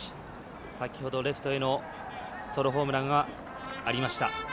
先ほどレフトへのソロホームランはありました。